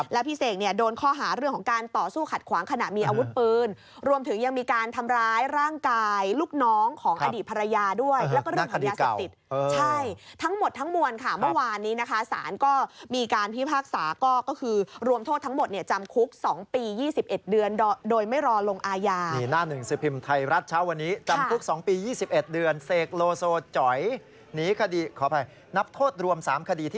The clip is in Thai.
และพี่เสกเนี่ยโดนค้า